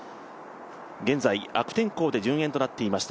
現在、悪天候で順延となっていました